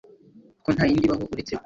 ko nta yindi ibaho uretse we.